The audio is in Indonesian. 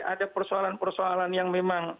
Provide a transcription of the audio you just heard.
ada persoalan persoalan yang memang